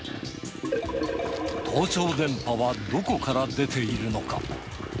盗聴電波はどこから出ているのか。